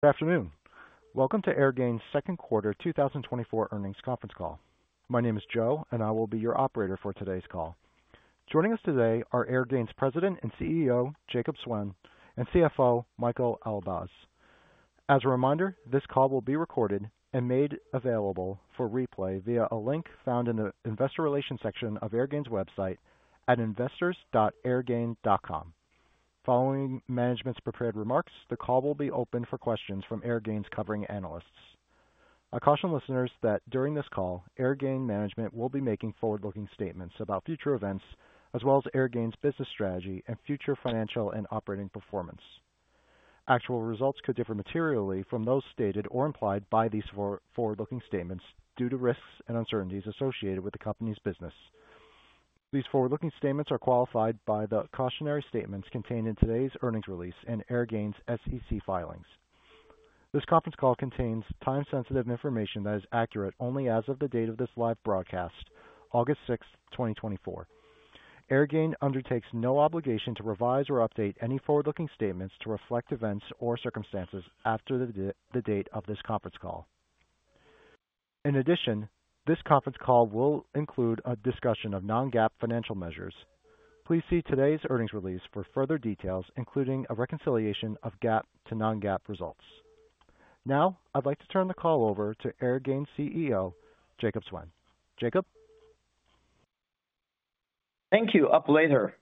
Good afternoon. Welcome to Airgain's Second Quarter 2024 Earnings Conference Call. My name is Joe, and I will be your operator for today's call. Joining us today are Airgain's President and CEO, Jacob Suen, and CFO, Michael Elbaz. As a reminder, this call will be recorded and made available for replay via a link found in the investor relations section of Airgain's website at investors.airgain.com. Following management's prepared remarks, the call will be open for questions from Airgain's covering analysts. I caution listeners that during this call, Airgain management will be making forward-looking statements about future events, as well as Airgain's business strategy and future financial and operating performance. Actual results could differ materially from those stated or implied by these forward-looking statements due to risks and uncertainties associated with the company's business. These forward-looking statements are qualified by the cautionary statements contained in today's earnings release and Airgain's SEC filings. This conference call contains time-sensitive information that is accurate only as of the date of this live broadcast, August 6th, 2024. Airgain undertakes no obligation to revise or update any forward-looking statements to reflect events or circumstances after the date of this conference call. In addition, this conference call will include a discussion of non-GAAP financial measures. Please see today's earnings release for further details, including a reconciliation of GAAP to non-GAAP results. Now, I'd like to turn the call over to Airgain CEO, Jacob Suen. Jacob? Thank you, operator.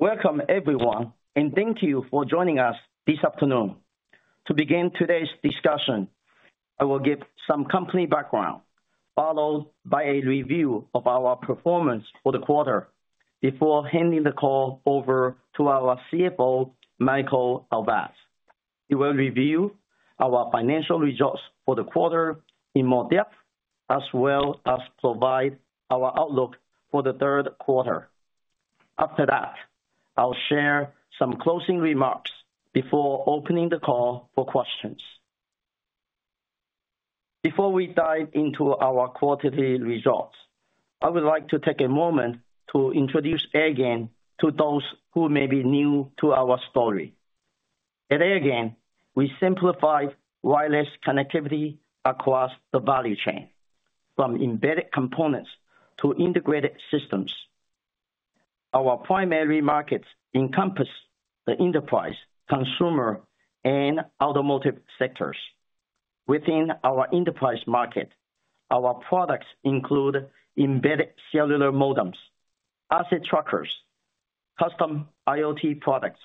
Welcome, everyone, and thank you for joining us this afternoon. To begin today's discussion, I will give some company background, followed by a review of our performance for the quarter before handing the call over to our CFO, Michael Elbaz. He will review our financial results for the quarter in more depth, as well as provide our outlook for the third quarter. After that, I'll share some closing remarks before opening the call for questions. Before we dive into our quarterly results, I would like to take a moment to introduce Airgain to those who may be new to our story. At Airgain, we simplify wireless connectivity across the value chain, from embedded components to integrated systems. Our primary markets encompass the enterprise, consumer, and automotive sectors. Within our enterprise market, our products include embedded cellular modems, asset trackers, custom IoT products,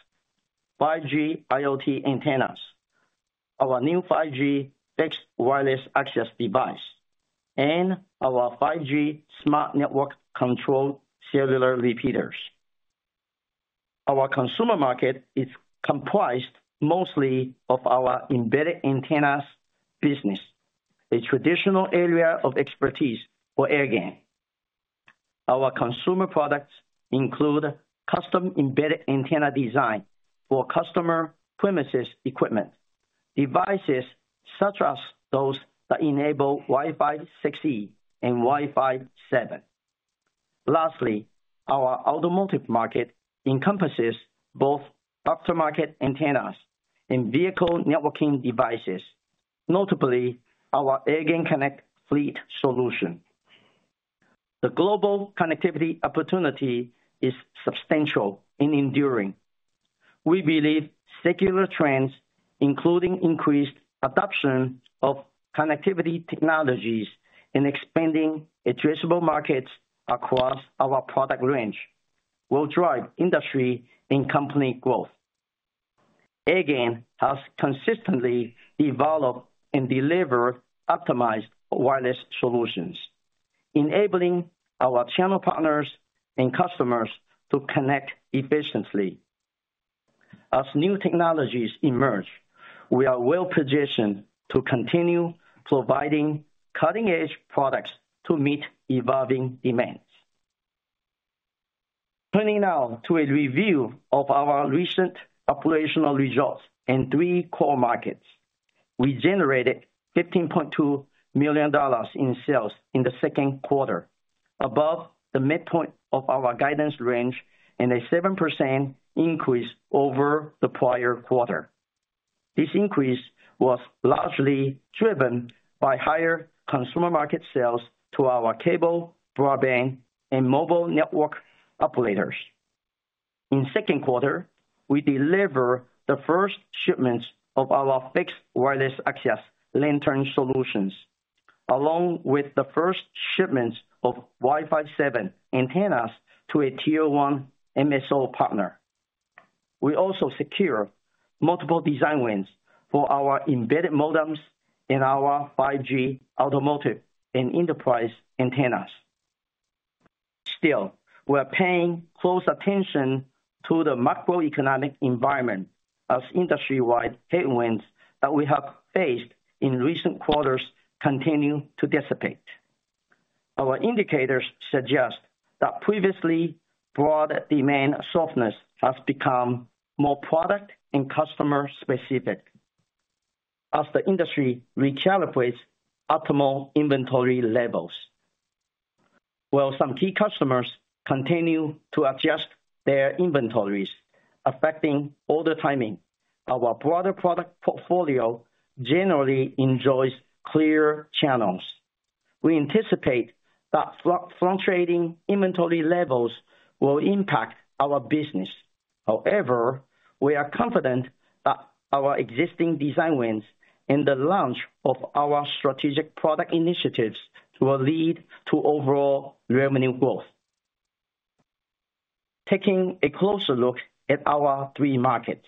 5G IoT antennas, our new 5G fixed wireless access device, and our 5G smart network-controlled cellular repeaters. Our consumer market is comprised mostly of our embedded antennas business, a traditional area of expertise for Airgain. Our consumer products include custom-embedded antenna design for customer premises equipment, devices such as those that enable Wi-Fi 6E and Wi-Fi 7. Lastly, our automotive market encompasses both aftermarket antennas and vehicle networking devices, notably our AirgainConnect Fleet solution. The global connectivity opportunity is substantial and enduring. We believe secular trends, including increased adoption of connectivity technologies and expanding addressable markets across our product range, will drive industry and company growth. Airgain has consistently developed and delivered optimized wireless solutions, enabling our channel partners and customers to connect efficiently. As new technologies emerge, we are well-positioned to continue providing cutting-edge products to meet evolving demands. Turning now to a review of our recent operational results in three core markets. We generated $15.2 million in sales in the second quarter, above the midpoint of our guidance range, and a 7% increase over the prior quarter. This increase was largely driven by higher consumer market sales to our cable, broadband, and mobile network operators. In second quarter, we deliver the first shipments of our fixed wireless access Lantern solutions, along with the first shipments of Wi-Fi 7 antennas to a Tier 1 MSO partner. We also secure multiple design wins for our embedded modems and our 5G automotive and enterprise antennas. Still, we are paying close attention to the macroeconomic environment as industry-wide headwinds that we have faced in recent quarters continue to dissipate. Our indicators suggest that previously broad demand softness has become more product and customer-specific as the industry recalibrates optimal inventory levels. While some key customers continue to adjust their inventories, affecting order timing, our broader product portfolio generally enjoys clear channels. We anticipate that fluctuating inventory levels will impact our business. However, we are confident that our existing design wins and the launch of our strategic product initiatives will lead to overall revenue growth. Taking a closer look at our three markets,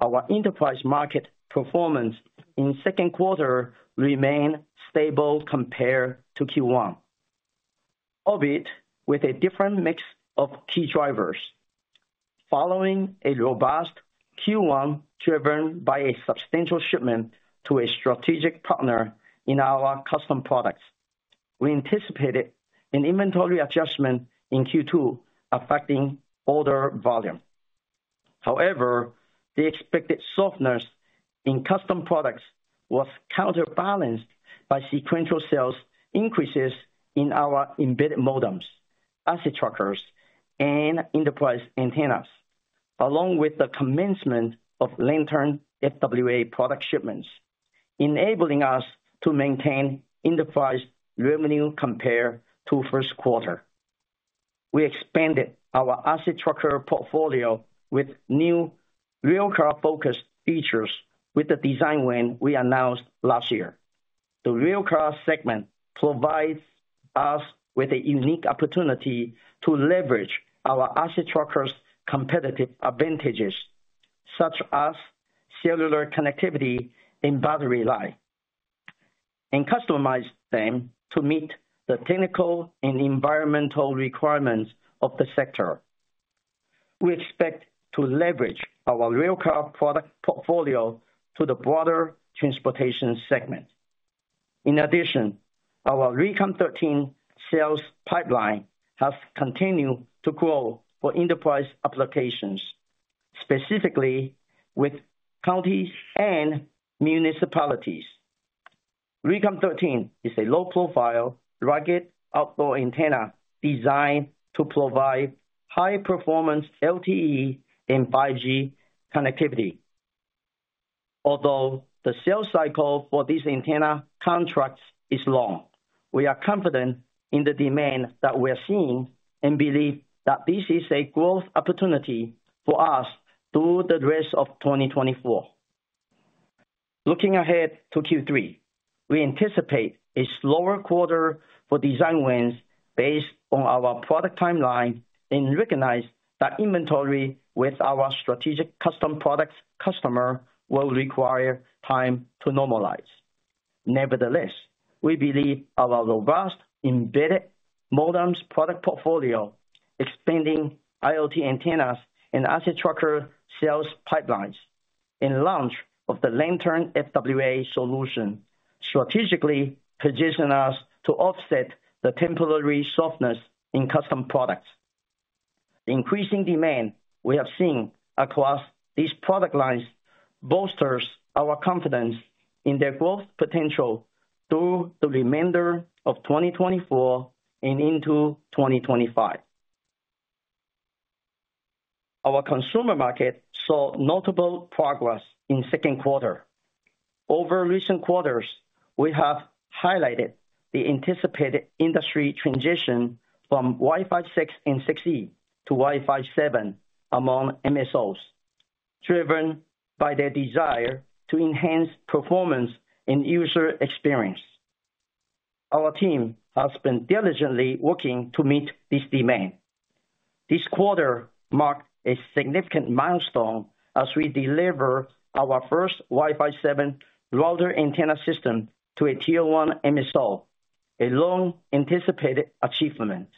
our enterprise market performance in second quarter remained stable compared to Q1, albeit with a different mix of key drivers. Following a robust Q1, driven by a substantial shipment to a strategic partner in our custom products, we anticipated an inventory adjustment in Q2 affecting order volume. However, the expected softness in custom products was counterbalanced by sequential sales increases in our embedded modems, asset trackers, and enterprise antennas, along with the commencement of Lantern FWA product shipments, enabling us to maintain enterprise revenue compared to first quarter. We expanded our asset tracker portfolio with new railcar-focused features with the design win we announced last year. The railcar segment provides us with a unique opportunity to leverage our asset tracker's competitive advantages, such as cellular connectivity and battery life, and customize them to meet the technical and environmental requirements of the sector. We expect to leverage our railcar product portfolio to the broader transportation segment. In addition, our RECON13 sales pipeline has continued to grow for enterprise applications, specifically with counties and municipalities. RECON13 is a low-profile, rugged outdoor antenna designed to provide high-performance LTE and 5G connectivity. Although the sales cycle for these antenna contracts is long, we are confident in the demand that we're seeing and believe that this is a growth opportunity for us through the rest of 2024. Looking ahead to Q3, we anticipate a slower quarter for design wins based on our product timeline, and recognize that inventory with our strategic custom products customer will require time to normalize. Nevertheless, we believe our robust embedded modems product portfolio, expanding IoT antennas and asset tracker sales pipelines, and launch of the Lantern FWA solution, strategically position us to offset the temporary softness in custom products. Increasing demand we have seen across these product lines bolsters our confidence in their growth potential through the remainder of 2024 and into 2025. Our consumer market saw notable progress in second quarter. Over recent quarters, we have highlighted the anticipated industry transition from Wi-Fi 6 and 6E to Wi-Fi 7 among MSOs, driven by their desire to enhance performance and user experience. Our team has been diligently working to meet this demand. This quarter marked a significant milestone as we deliver our first Wi-Fi 7 router antenna system to a Tier 1 MSO, a long-anticipated achievement.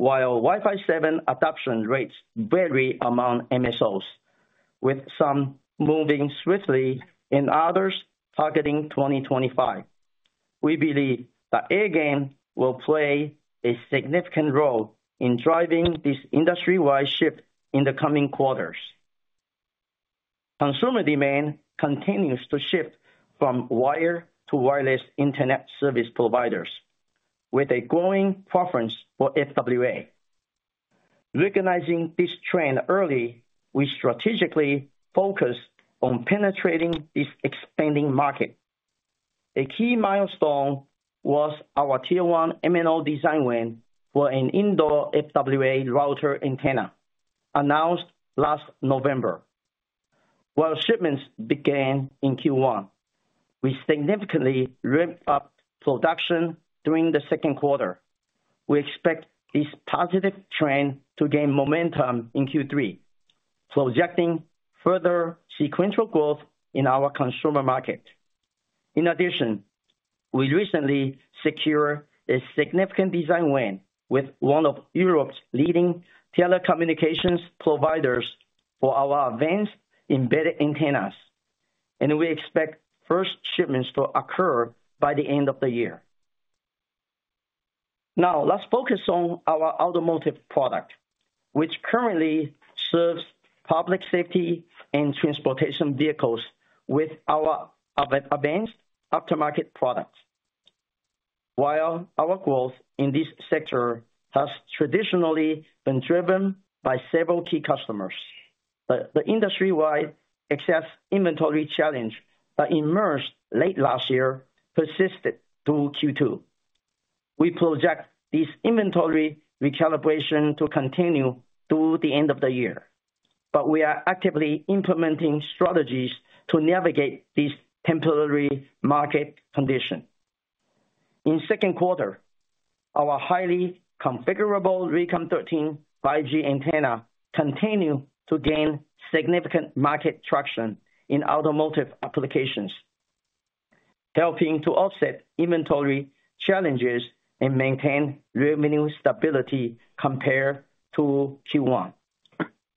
While Wi-Fi 7 adoption rates vary among MSOs, with some moving swiftly and others targeting 2025, we believe that Airgain will play a significant role in driving this industry-wide shift in the coming quarters. Consumer demand continues to shift from wired to wireless internet service providers, with a growing preference for FWA. Recognizing this trend early, we strategically focused on penetrating this expanding market. A key milestone was our Tier 1 MNO design win for an indoor FWA router antenna, announced last November. While shipments began in Q1, we significantly ramped up production during the second quarter. We expect this positive trend to gain momentum in Q3, projecting further sequential growth in our consumer market. In addition, we recently secured a significant design win with one of Europe's leading telecommunications providers for our advanced embedded antennas, and we expect first shipments to occur by the end of the year. Now, let's focus on our automotive product, which currently serves public safety and transportation vehicles with our advanced aftermarket products. While our growth in this sector has traditionally been driven by several key customers, the industry-wide excess inventory challenge that emerged late last year persisted through Q2. We project this inventory recalibration to continue through the end of the year, but we are actively implementing strategies to navigate this temporary market condition. In second quarter, our highly configurable RECON13 5G antenna continued to gain significant market traction in automotive applications, helping to offset inventory challenges and maintain revenue stability compared to Q1.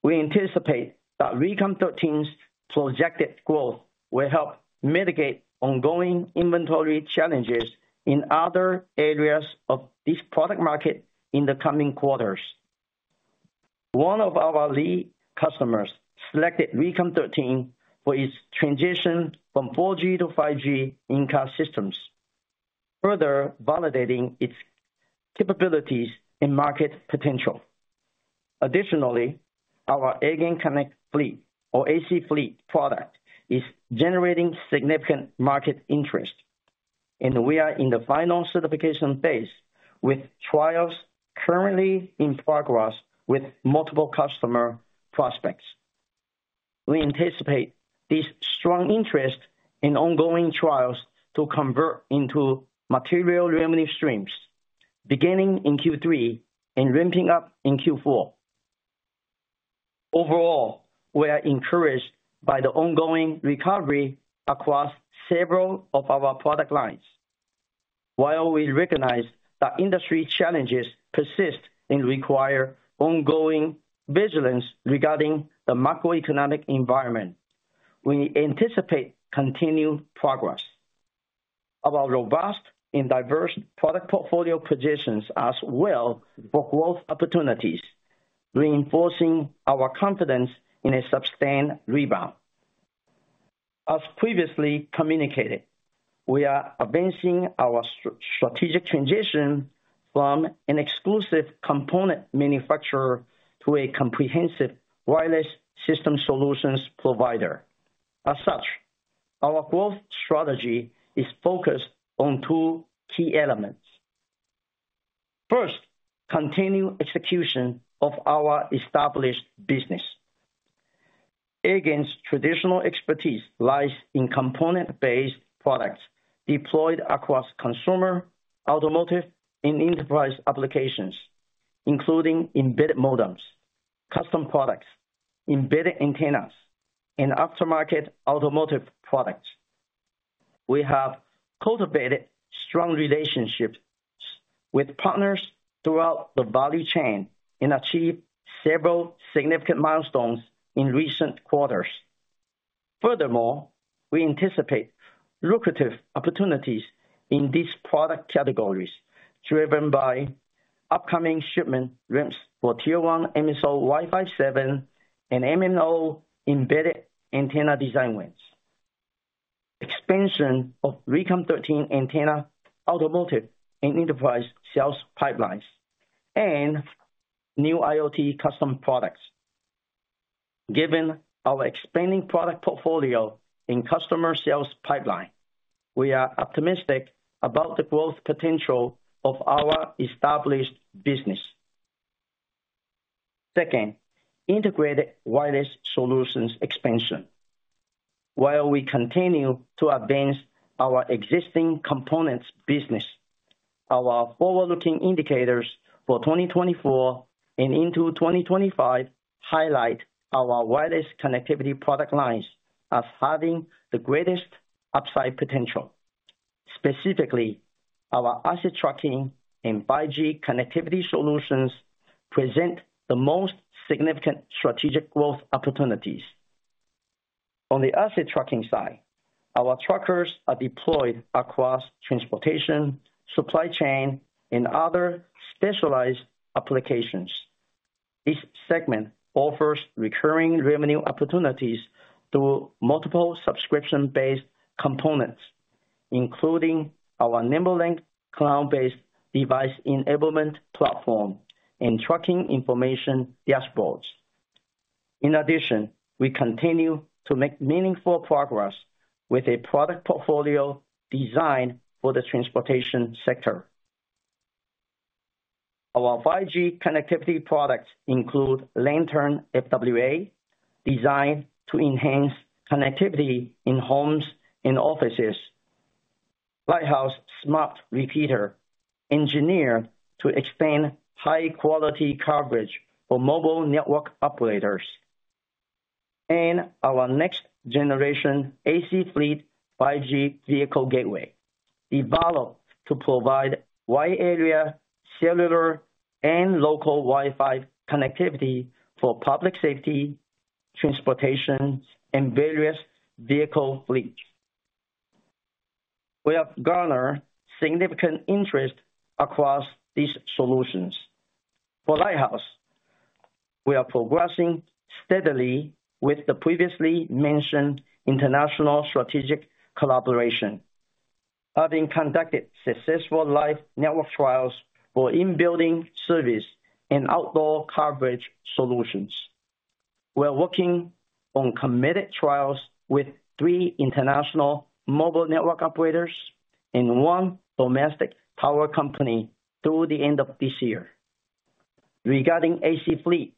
We anticipate that RECON13's projected growth will help mitigate ongoing inventory challenges in other areas of this product market in the coming quarters. One of our lead customers selected RECON13 for its transition from 4G to 5G in-car systems, further validating its capabilities and market potential. Additionally, our AirgainConnect Fleet, or AC-Fleet product, is generating significant market interest, and we are in the final certification phase, with trials currently in progress with multiple customer prospects. We anticipate this strong interest in ongoing trials to convert into material revenue streams beginning in Q3 and ramping up in Q4. Overall, we are encouraged by the ongoing recovery across several of our product lines. While we recognize that industry challenges persist and require ongoing vigilance regarding the macroeconomic environment, we anticipate continued progress. Our robust and diverse product portfolio positions us well for growth opportunities, reinforcing our confidence in a sustained rebound. As previously communicated, we are advancing our strategic transition from an exclusive component manufacturer to a comprehensive wireless system solutions provider. As such, our growth strategy is focused on two key elements. First, continued execution of our established business. Airgain's traditional expertise lies in component-based products deployed across consumer, automotive, and enterprise applications, including embedded modems, custom products, embedded antennas, and aftermarket automotive products. We have cultivated strong relationships with partners throughout the value chain and achieved several significant milestones in recent quarters. Furthermore, we anticipate lucrative opportunities in these product categories, driven by upcoming shipment ramps for Tier 1 MSO Wi-Fi 7 and MNO embedded antenna design wins, expansion of RECON13 antenna, automotive and enterprise sales pipelines, and new IoT custom products. Given our expanding product portfolio and customer sales pipeline, we are optimistic about the growth potential of our established business. Second, integrated wireless solutions expansion. While we continue to advance our existing components business, our forward-looking indicators for 2024 and into 2025 highlight our wireless connectivity product lines as having the greatest upside potential. Specifically, our asset tracking and 5G connectivity solutions present the most significant strategic growth opportunities. On the asset tracking side, our trackers are deployed across transportation, supply chain, and other specialized applications. This segment offers recurring revenue opportunities through multiple subscription-based components, including our NimbeLink cloud-based device enablement platform and tracking information dashboards. In addition, we continue to make meaningful progress with a product portfolio designed for the transportation sector. Our 5G connectivity products include Lantern FWA, designed to enhance connectivity in homes and offices, Lighthouse Smart Repeater, engineered to expand high quality coverage for mobile network operators, and our next generation AC-Fleet, 5G vehicle gateway, developed to provide wide area, cellular, and local Wi-Fi connectivity for public safety, transportation, and various vehicle fleet. We have garnered significant interest across these solutions. For Lighthouse, we are progressing steadily with the previously mentioned international strategic collaboration, having conducted successful live network trials for in-building service and outdoor coverage solutions. We are working on committed trials with three international mobile network operators and one domestic power company through the end of this year. Regarding AC Fleet,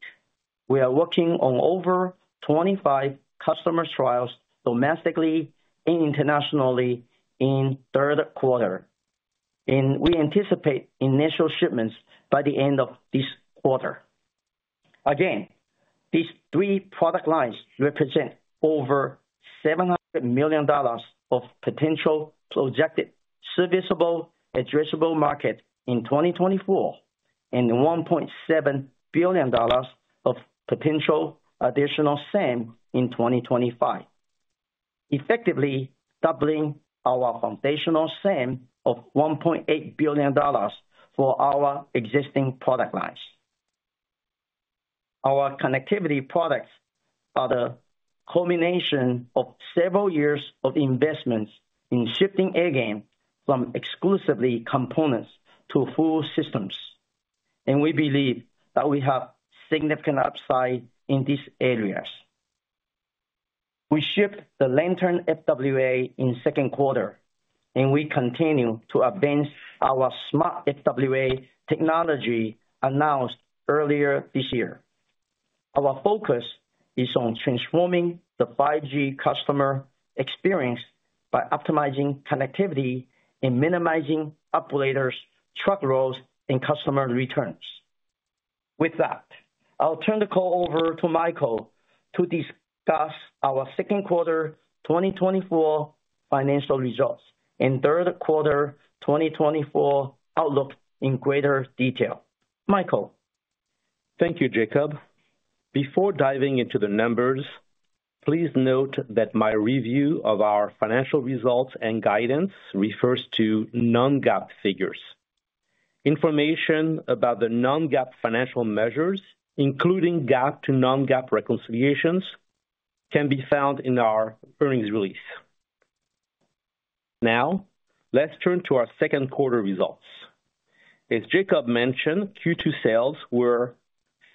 we are working on over 25 customer trials domestically and internationally in third quarter, and we anticipate initial shipments by the end of this quarter. Again, these three product lines represent over $700 million of potential projected serviceable addressable market in 2024, and $1.7 billion of potential additional SAM in 2025, effectively doubling our foundational SAM of $1.8 billion for our existing product lines. Our connectivity products are the culmination of several years of investments in shifting Airgain from exclusively components to full systems, and we believe that we have significant upside in these areas. We shipped the Lantern FWA in second quarter, and we continue to advance our smart FWA technology announced earlier this year. Our focus is on transforming the 5G customer experience by optimizing connectivity and minimizing operators' truck rolls and customer returns. With that, I'll turn the call over to Michael to discuss our second quarter 2024 financial results and third quarter 2024 outlook in greater detail. Michael? Thank you, Jacob. Before diving into the numbers, please note that my review of our financial results and guidance refers to non-GAAP figures. Information about the non-GAAP financial measures, including GAAP to non-GAAP reconciliations, can be found in our earnings release. Now, let's turn to our second quarter results. As Jacob mentioned, Q2 sales were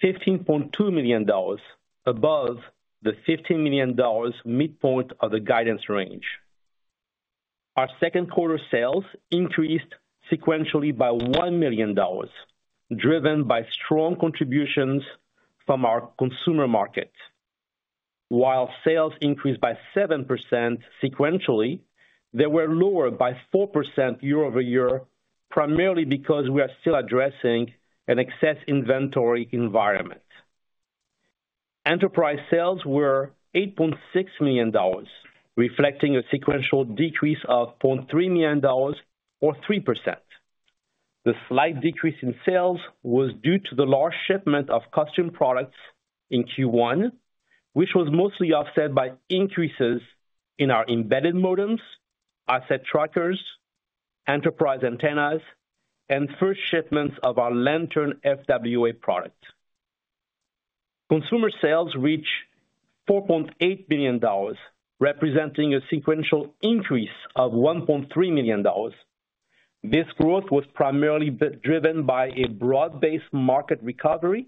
$15.2 million, above the $15 million midpoint of the guidance range. Our second quarter sales increased sequentially by $1 million, driven by strong contributions from our consumer market. While sales increased by 7% sequentially, they were lower by 4% year-over-year, primarily because we are still addressing an excess inventory environment. Enterprise sales were $8.6 million, reflecting a sequential decrease of $0.3 million or 3%. The slight decrease in sales was due to the large shipment of custom products in Q1, which was mostly offset by increases in our embedded modems, asset trackers, enterprise antennas, and first shipments of our Lantern FWA product. Consumer sales reached $4.8 million, representing a sequential increase of $1.3 million. This growth was primarily driven by a broad-based market recovery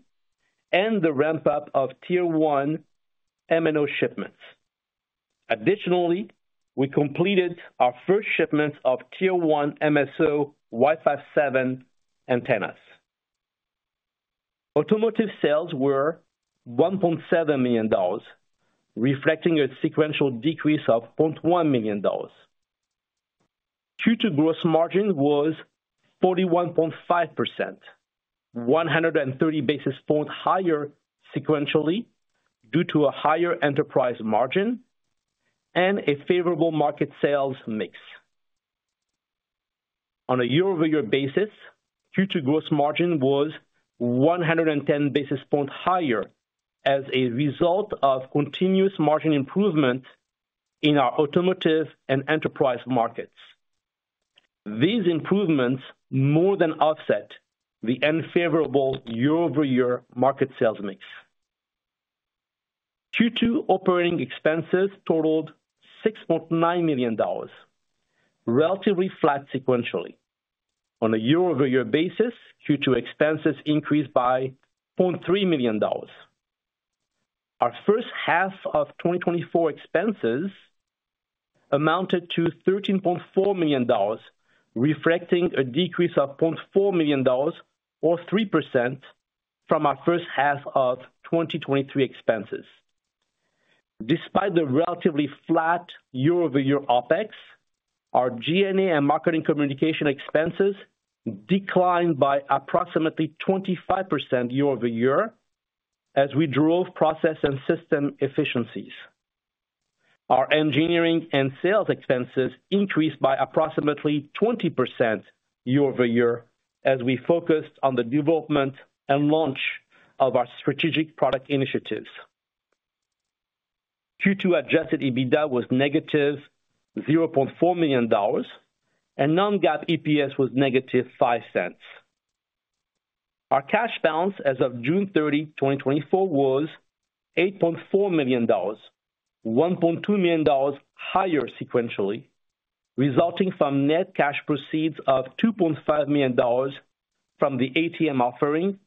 and the ramp-up of Tier 1 MNO shipments. Additionally, we completed our first shipments of Tier 1 MSO Wi-Fi 7 antennas. Automotive sales were $1.7 million, reflecting a sequential decrease of $0.1 million. Q2 gross margin was 41.5%, 130 basis points higher sequentially, due to a higher enterprise margin and a favorable market sales mix. On a year-over-year basis, Q2 gross margin was 110 basis points higher as a result of continuous margin improvement in our automotive and enterprise markets. These improvements more than offset the unfavorable year-over-year market sales mix. Q2 operating expenses totaled $6.9 million, relatively flat sequentially. On a year-over-year basis, Q2 expenses increased by $0.3 million. Our first half of 2024 expenses amounted to $13.4 million, reflecting a decrease of $0.4 million, or 3%, from our first half of 2023 expenses. Despite the relatively flat year-over-year OpEx, our G&A and marketing communication expenses declined by approximately 25% year-over-year as we drove process and system efficiencies. Our engineering and sales expenses increased by approximately 20% year-over-year as we focused on the development and launch of our strategic product initiatives.... Q2 adjusted EBITDA was -$0.4 million, and non-GAAP EPS was -$0.05. Our cash balance as of June 30, 2024, was $8.4 million, $1.2 million higher sequentially, resulting from net cash proceeds of $2.5 million from the ATM offering,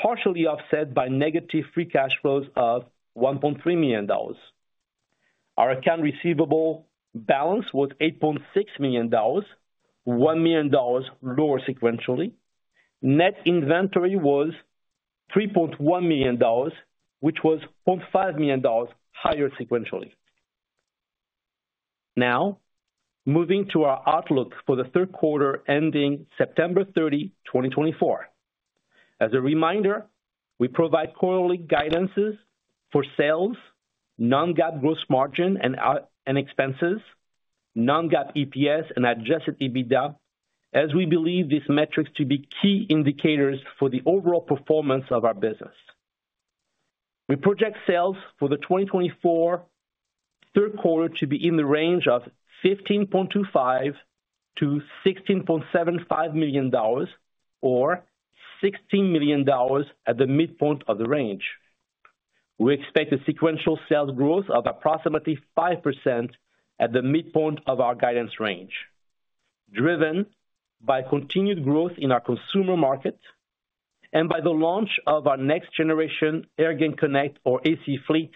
partially offset by negative free cash flows of $1.3 million. Our accounts receivable balance was $8.6 million, $1 million lower sequentially. Net inventory was $3.1 million, which was $0.5 million higher sequentially. Now, moving to our outlook for the third quarter, ending September 30, 2024. As a reminder, we provide quarterly guidances for sales, non-GAAP gross margin and operating expenses, non-GAAP EPS, and adjusted EBITDA, as we believe these metrics to be key indicators for the overall performance of our business. We project sales for the 2024 third quarter to be in the range of $15.25 million-$16.75 million, or $16 million at the midpoint of the range. We expect a sequential sales growth of approximately 5% at the midpoint of our guidance range, driven by continued growth in our consumer market and by the launch of our next-generation AirgainConnect, or AC-Fleet,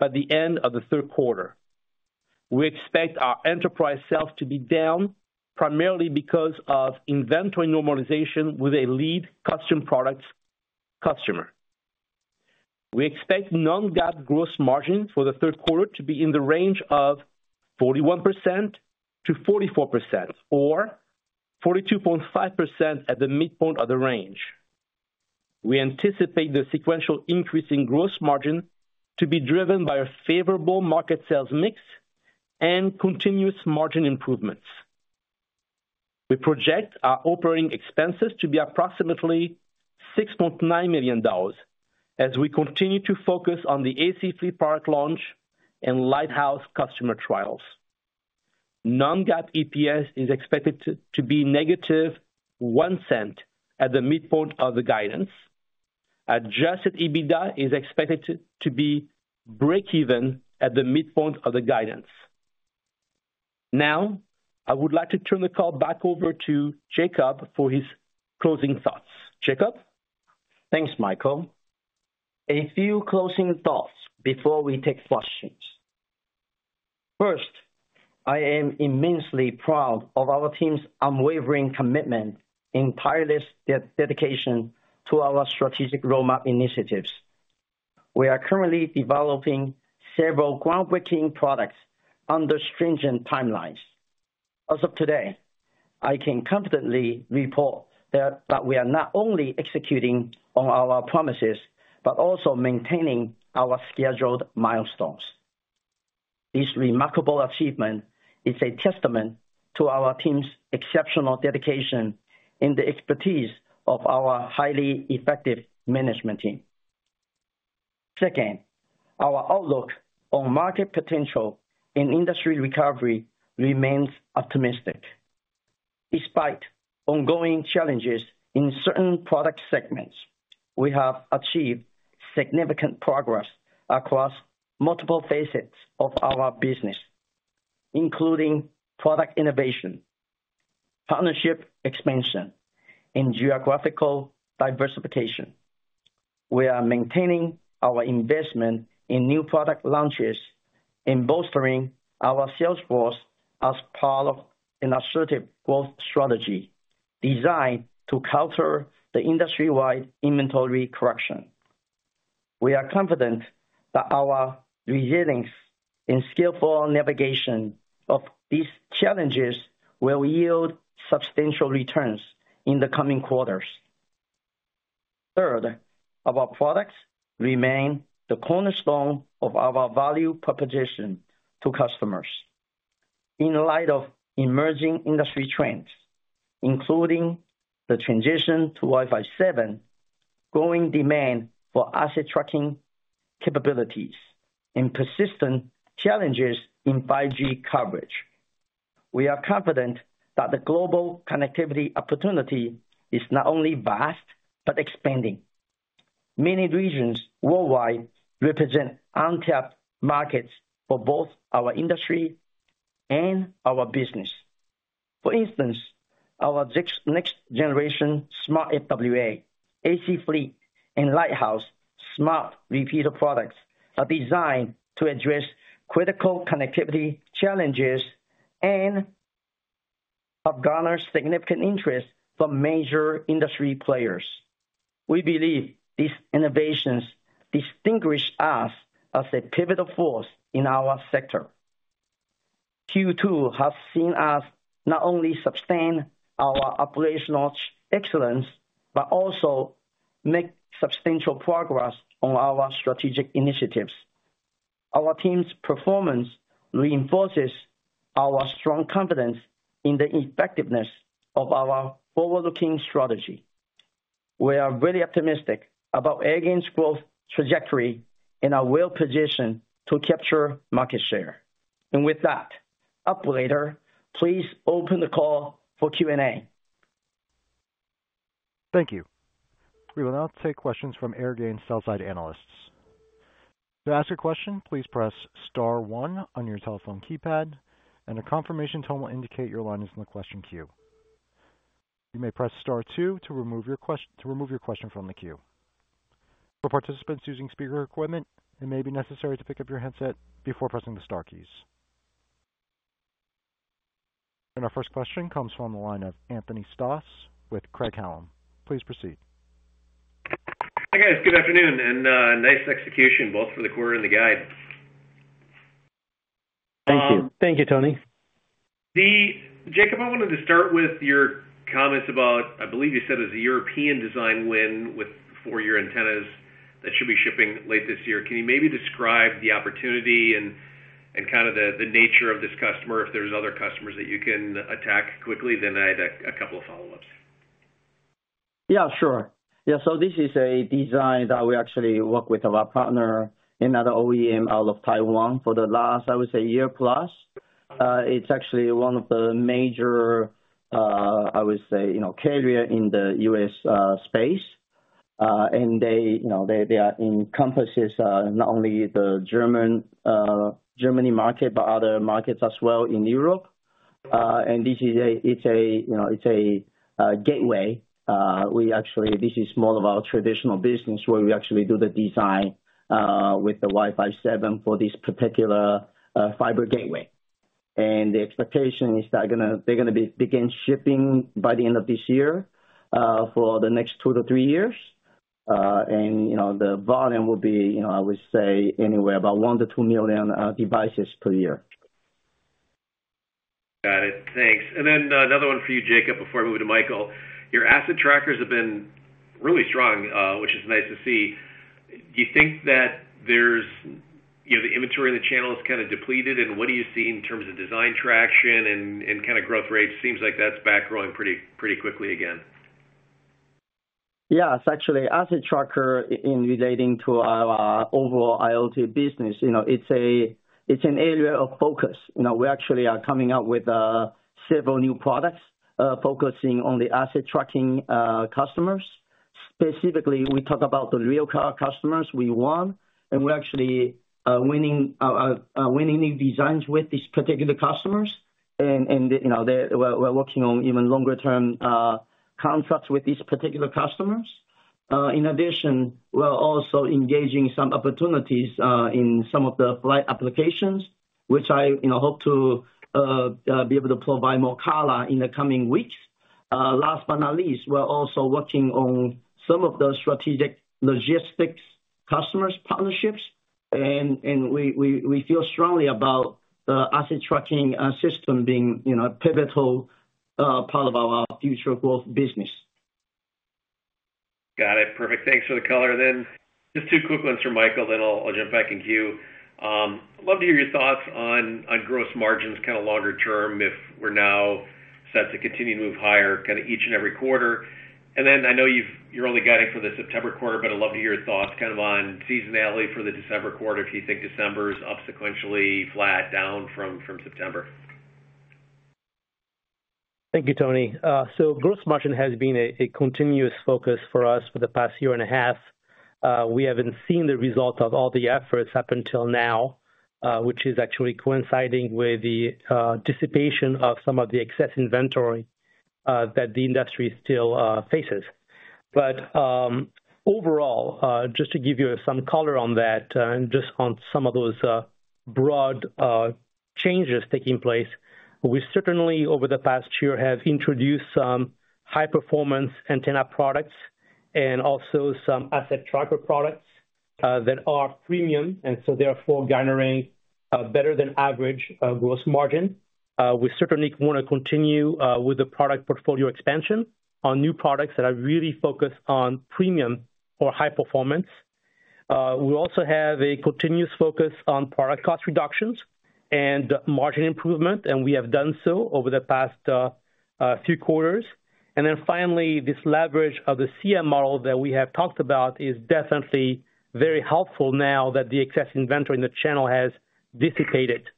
by the end of the third quarter. We expect our enterprise sales to be down, primarily because of inventory normalization with a lead custom products customer. We expect non-GAAP gross margin for the third quarter to be in the range of 41%-44%, or 42.5% at the midpoint of the range. We anticipate the sequential increase in gross margin to be driven by a favorable market sales mix and continuous margin improvements. We project our operating expenses to be approximately $6.9 million as we continue to focus on the AC-Fleet product launch and Lighthouse customer trials. Non-GAAP EPS is expected to be -$0.01 at the midpoint of the guidance. Adjusted EBITDA is expected to be breakeven at the midpoint of the guidance. Now, I would like to turn the call back over to Jacob for his closing thoughts. Jacob? Thanks, Michael. A few closing thoughts before we take questions. First, I am immensely proud of our team's unwavering commitment and tireless dedication to our strategic roadmap initiatives. We are currently developing several groundbreaking products under stringent timelines. As of today, I can confidently report that we are not only executing on our promises, but also maintaining our scheduled milestones. This remarkable achievement is a testament to our team's exceptional dedication and the expertise of our highly effective management team. Second, our outlook on market potential and industry recovery remains optimistic. Despite ongoing challenges in certain product segments, we have achieved significant progress across multiple facets of our business, including product innovation, partnership expansion, and geographical diversification. We are maintaining our investment in new product launches and bolstering our sales force as part of an assertive growth strategy designed to counter the industry-wide inventory correction. We are confident that our resilience and skillful navigation of these challenges will yield substantial returns in the coming quarters. Third, our products remain the cornerstone of our value proposition to customers. In light of emerging industry trends, including the transition to Wi-Fi 7, growing demand for asset tracking capabilities, and persistent challenges in 5G coverage, we are confident that the global connectivity opportunity is not only vast, but expanding. Many regions worldwide represent untapped markets for both our industry and our business. For instance, our next-generation smart FWA, AC Fleet, and Lighthouse smart repeater products are designed to address critical connectivity challenges and have garnered significant interest from major industry players. We believe these innovations distinguish us as a pivotal force in our sector. Q2 has seen us not only sustain our operational excellence, but also make substantial progress on our strategic initiatives. Our team's performance reinforces our strong confidence in the effectiveness of our forward-looking strategy. We are very optimistic about Airgain's growth trajectory, and are well-positioned to capture market share. And with that, operator, please open the call for Q&A. Thank you. We will now take questions from Airgain's sell-side analysts. To ask a question, please press star one on your telephone keypad, and a confirmation tone will indicate your line is in the question queue. You may press star two to remove your question from the queue. For participants using speaker equipment, it may be necessary to pick up your handset before pressing the star keys. Our first question comes from the line of Anthony Stoss with Craig-Hallum. Please proceed. Hi, guys. Good afternoon, and nice execution, both for the quarter and the guide. Thank you. Thank you, Tony. Jacob, I wanted to start with your comments about, I believe you said it was a European design win with 4G antennas that should be shipping late this year. Can you maybe describe the opportunity and kind of the nature of this customer, if there's other customers that you can attack quickly? Then I had a couple of follow-ups. Yeah, sure. Yeah, so this is a design that we actually work with our partner, another OEM, out of Taiwan for the last, I would say, year plus. It's actually one of the major, I would say, you know, carrier in the U.S. space. And they, you know, they, they are encompasses, not only the German, Germany market, but other markets as well in Europe. And this is a—it's a, you know, it's a, gateway. We actually, this is more of our traditional business, where we actually do the design, with the Wi-Fi 7 for this particular, fiber gateway. And the expectation is that gonna—they're gonna be begin shipping by the end of this year, for the next 2-3 years. You know, the volume will be, you know, I would say, anywhere about 1-2 million devices per year. Got it. Thanks. Then another one for you, Jacob, before I move to Michael. Your asset trackers have been really strong, which is nice to see. Do you think that there's, you know, the inventory in the channel is kind of depleted, and what do you see in terms of design traction and kind of growth rates? Seems like that's back growing pretty quickly again. Yes, actually, asset tracker in relating to our overall IoT business, you know, it's a, it's an area of focus. You know, we actually are coming out with several new products focusing on the asset tracking customers. Specifically, we talk about the rail car customers we won, and we're actually winning new designs with these particular customers. And, you know, they're we're working on even longer-term contracts with these particular customers. In addition, we're also engaging some opportunities in some of the flight applications, which I, you know, hope to be able to provide more color in the coming weeks. Last but not least, we're also working on some of the strategic logistics customers partnerships, and we feel strongly about the asset tracking system being, you know, a pivotal part of our future growth business. Got it. Perfect. Thanks for the color. Then just two quick ones for Michael, then I'll jump back in queue. I'd love to hear your thoughts on gross margins, kind of longer term, if we're now set to continue to move higher, kind of each and every quarter. And then I know you're only guiding for the September quarter, but I'd love to hear your thoughts kind of on seasonality for the December quarter, if you think December is up sequentially flat down from September. Thank you, Tony. So gross margin has been a continuous focus for us for the past year and a half. We haven't seen the result of all the efforts up until now, which is actually coinciding with the dissipation of some of the excess inventory that the industry still faces. But overall, just to give you some color on that and just on some of those broad changes taking place, we certainly over the past year have introduced some high-performance antenna products and also some asset tracker products that are premium, and so therefore garnering better than average gross margin. We certainly want to continue with the product portfolio expansion on new products that are really focused on premium or high performance. We also have a continuous focus on product cost reductions and margin improvement, and we have done so over the past few quarters. And then finally, this leverage of the CM model that we have talked about is definitely very helpful now that the excess inventory in the channel has dissipated.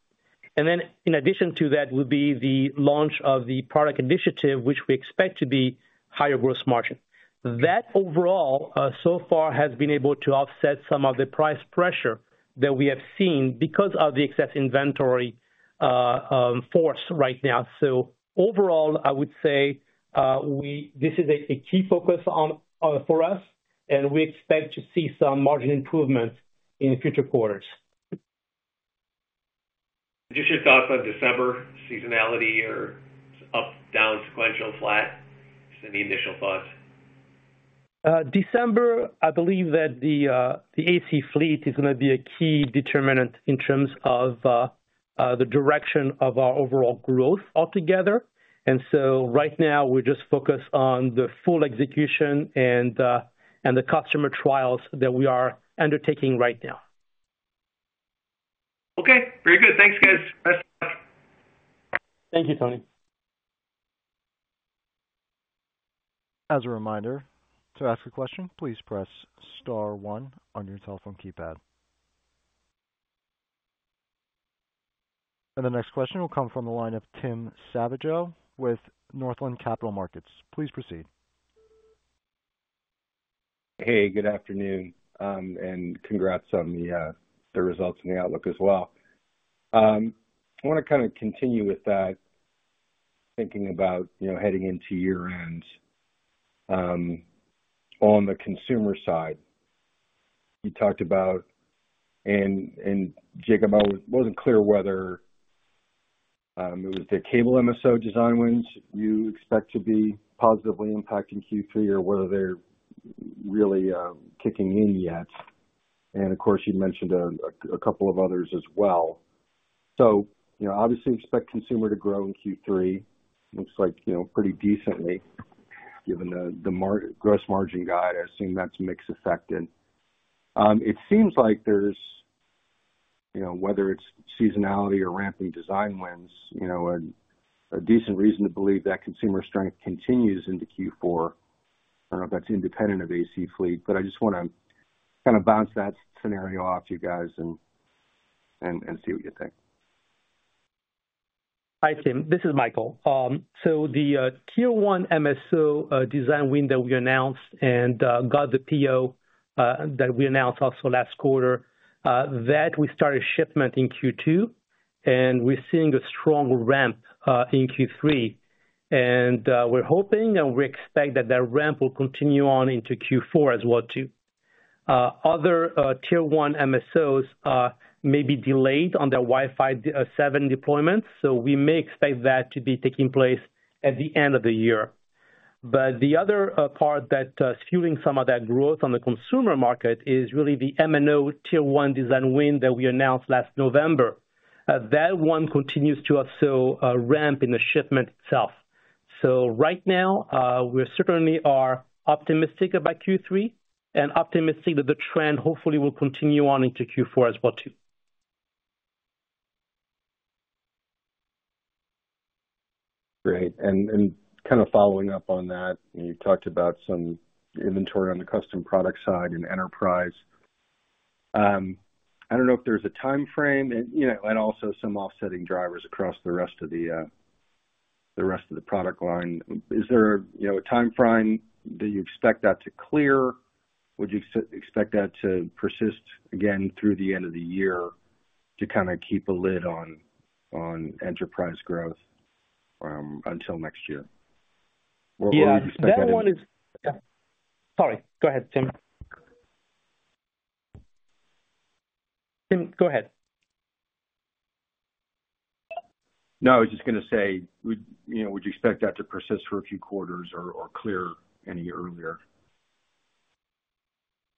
And then in addition to that, would be the launch of the product initiative, which we expect to be higher gross margin. That overall, so far, has been able to offset some of the price pressure that we have seen because of the excess inventory force right now. So overall, I would say, we—this is a key focus on for us, and we expect to see some margin improvements in future quarters. Just your thoughts on December seasonality or up, down, sequential, flat? Just any initial thoughts. December, I believe that the AC-Fleet is gonna be a key determinant in terms of the direction of our overall growth altogether. And so right now we're just focused on the full execution and the customer trials that we are undertaking right now. ...Okay, very good. Thanks, guys. Best of luck! Thank you, Tony. As a reminder, to ask a question, please press star one on your telephone keypad. The next question will come from the line of Tim Savageaux with Northland Capital Markets. Please proceed. Hey, good afternoon, and congrats on the results and the outlook as well. I want to kind of continue with that, thinking about, you know, heading into year-end, on the consumer side. You talked about and, Jacob, I wasn't clear whether it was the cable MSO design wins you expect to be positively impacting Q3 or whether they're really kicking in yet. And of course, you mentioned a couple of others as well. So, you know, obviously expect consumer to grow in Q3. Looks like, you know, pretty decently, given the gross margin guide, I assume that's mix affected. It seems like there's, you know, whether it's seasonality or ramping design wins, you know, a decent reason to believe that consumer strength continues into Q4. I don't know if that's independent of AC-Fleet, but I just wanna kind of bounce that scenario off you guys and see what you think. Hi, Tim. This is Michael. So the Tier 1 MSO design win that we announced and got the PO that we announced also last quarter that we started shipment in Q2, and we're seeing a strong ramp in Q3. And we're hoping and we expect that the ramp will continue on into Q4 as well, too. Other Tier 1 MSOs may be delayed on their Wi-Fi 7 deployments, so we may expect that to be taking place at the end of the year. But the other part that is fueling some of that growth on the consumer market is really the MNO Tier 1 design win that we announced last November. That one continues to also ramp in the shipment itself. Right now, we certainly are optimistic about Q3 and optimistic that the trend hopefully will continue on into Q4 as well, too. Great. And kind of following up on that, you talked about some inventory on the custom product side and enterprise. I don't know if there's a timeframe and, you know, and also some offsetting drivers across the rest of the rest of the product line. Is there, you know, a timeframe that you expect that to clear? Would you expect that to persist again through the end of the year, to kind of keep a lid on enterprise growth, until next year? Yeah. Or do you expect that- That one is... Yeah. Sorry. Go ahead, Tim. Tim, go ahead. No, I was just gonna say, would, you know, would you expect that to persist for a few quarters or, or clear any earlier?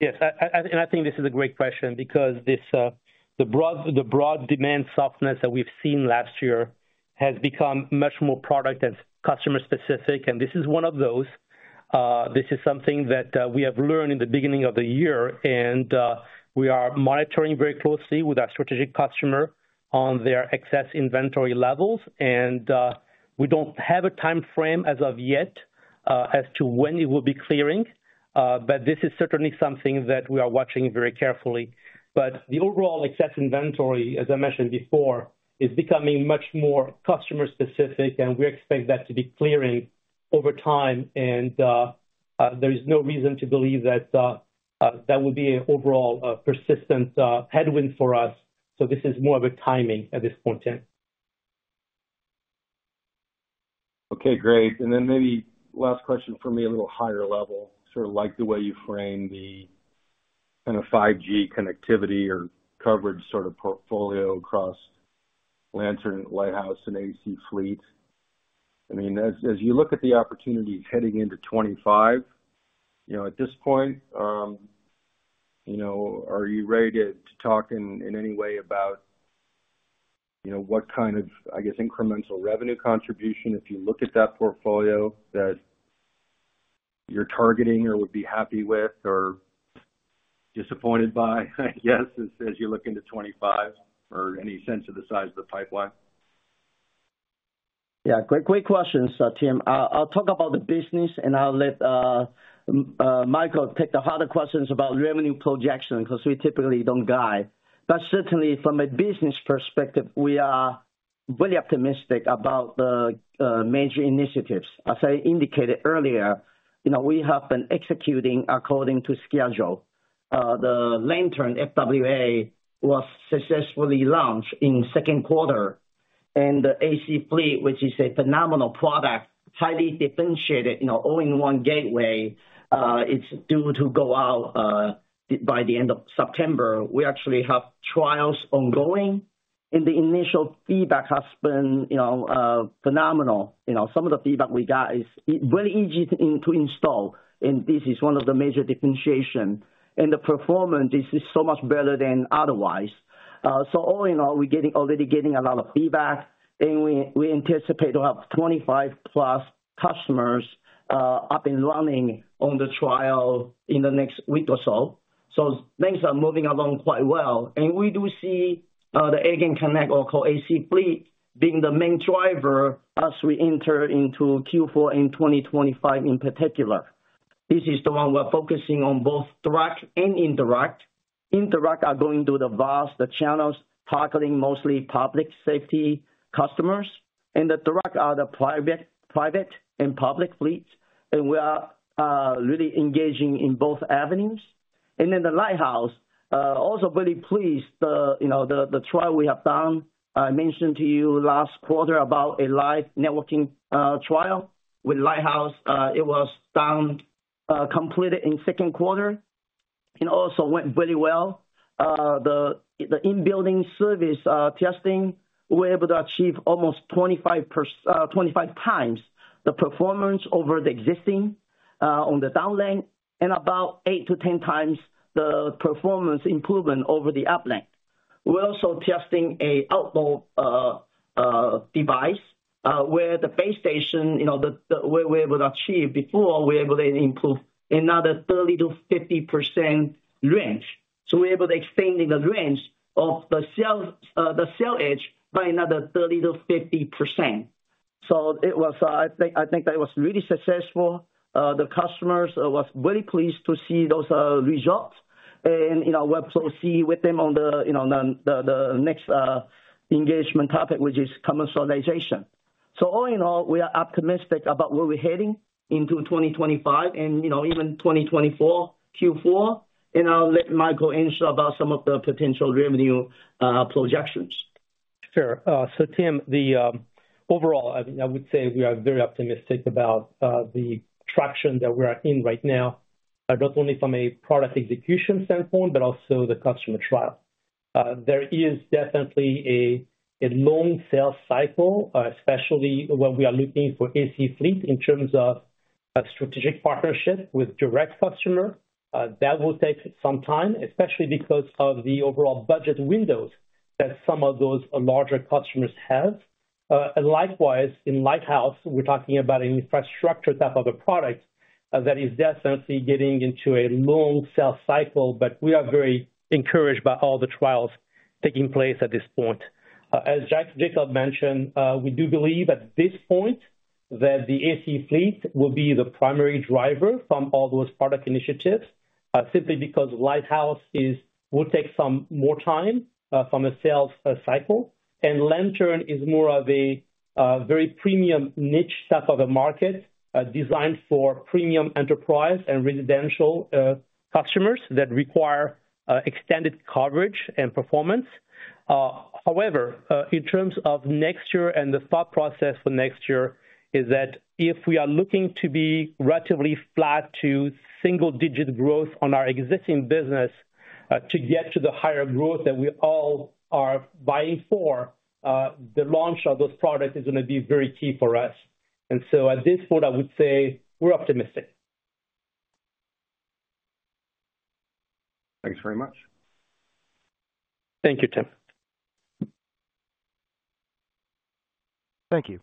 Yes, and I think this is a great question because the broad demand softness that we've seen last year has become much more product and customer specific, and this is one of those. This is something that we have learned in the beginning of the year, and we are monitoring very closely with our strategic customer on their excess inventory levels. We don't have a timeframe as of yet, as to when it will be clearing, but this is certainly something that we are watching very carefully. But the overall excess inventory, as I mentioned before, is becoming much more customer specific and we expect that to be clearing over time. There is no reason to believe that that will be an overall persistent headwind for us. This is more of a timing at this point in time. Okay, great. And then maybe last question for me, a little higher level, sort of like the way you frame the kind of 5G connectivity or coverage sort of portfolio across Lantern, Lighthouse and AC-Fleet. I mean, as, as you look at the opportunities heading into 25, you know, at this point, you know, are you ready to, to talk in, in any way about, you know, what kind of, I guess, incremental revenue contribution, if you look at that portfolio, that you're targeting or would be happy with or disappointed by, I guess, as, as you look into 25 or any sense of the size of the pipeline? Yeah, great, great questions, Tim. I'll, I'll talk about the business and I'll let, Michael take the harder questions about revenue projection, because we typically don't guide. But certainly from a business perspective, we are very optimistic about the major initiatives. As I indicated earlier, you know, we have been executing according to schedule. The Lantern FWA was successfully launched in second quarter, and the AC-Fleet, which is a phenomenal product, highly differentiated, you know, all-in-one gateway, it's due to go out by the end of September. We actually have trials ongoing, and the initial feedback has been, you know, phenomenal. You know, some of the feedback we got is, it very easy to install, and this is one of the major differentiation, and the performance is so much better than otherwise. So all in all, we're getting already getting a lot of feedback and we, we anticipate to have 25+ customers up and running on the trial in the next week or so. So things are moving along quite well, and we do see the AirgainConnect, or called AC Fleet, being the main driver as we enter into Q4 in 2025 in particular. This is the one we're focusing on, both direct and indirect. Indirect are going through the vast, the channels, targeting mostly public safety customers, and the direct are the private, private and public fleets. And we are really engaging in both avenues. And then the Lighthouse also very pleased. The, you know, the, the trial we have done, I mentioned to you last quarter about a live networking trial with Lighthouse. It was done, completed in second quarter and also went very well. The in-building service testing, we're able to achieve almost 25x the performance over the existing on the downlink and about 8x-10x the performance improvement over the uplink. We're also testing an outdoor device, where the base station, you know, the, the, where we were able to achieve before, we're able to improve another 30%-50% range. So we're able to extending the range of the cell, the cell edge by another 30%-50%. So it was, I think, I think that was really successful. The customers was very pleased to see those results. You know, we're proceeding with them on the next engagement topic, which is commercialization. So all in all, we are optimistic about where we're heading into 2025 and, you know, even 2024, Q4. I'll let Michael ensure about some of the potential revenue projections. Sure. So, Tim, the overall, I would say we are very optimistic about the traction that we are in right now, not only from a product execution standpoint, but also the customer trial. There is definitely a long sales cycle, especially when we are looking for AC Fleet in terms of a strategic partnership with direct customer. That will take some time, especially because of the overall budget windows that some of those larger customers have. And likewise, in Lighthouse, we're talking about an infrastructure type of a product, that is definitely getting into a long sales cycle, but we are very encouraged by all the trials taking place at this point. As Jacob mentioned, we do believe at this point that the AC Fleet will be the primary driver from all those product initiatives, simply because Lighthouse will take some more time from a sales cycle. And Lantern is more of a very premium niche type of a market, designed for premium enterprise and residential customers that require extended coverage and performance. However, in terms of next year and the thought process for next year, is that if we are looking to be relatively flat to single-digit growth on our existing business, to get to the higher growth that we all are vying for, the launch of those products is gonna be very key for us. And so at this point, I would say we're optimistic. Thanks very much. Thank you, Tim. Thank you.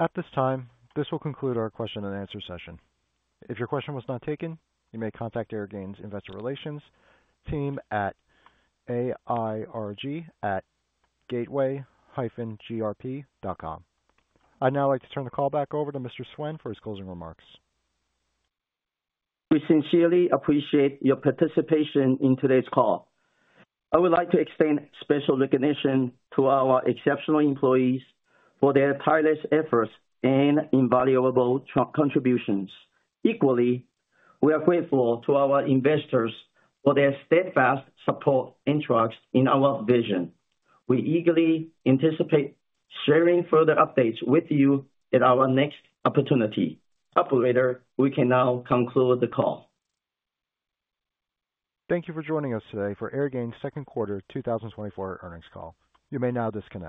At this time, this will conclude our question and answer session. If your question was not taken, you may contact Airgain's Investor Relations team at airg@gateway-grp.com. I'd now like to turn the call back over to Mr. Suen for his closing remarks. We sincerely appreciate your participation in today's call. I would like to extend special recognition to our exceptional employees for their tireless efforts and invaluable contributions. Equally, we are grateful to our investors for their steadfast support and trust in our vision. We eagerly anticipate sharing further updates with you at our next opportunity. Operator, we can now conclude the call. Thank you for joining us today for Airgain's second quarter 2024 earnings call. You may now disconnect.